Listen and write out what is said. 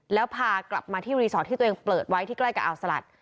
แล้วพากลับมาที่รีสอร์ทที่ตัวเองเปิดไว้ที่ใกล้กับอ่าวสลัด